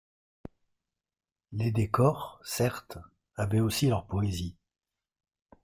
Les décors, certes, avaient aussi leur poésie.